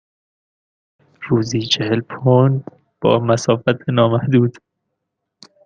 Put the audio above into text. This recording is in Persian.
روزی چهل پوند با مسافت نامحدود.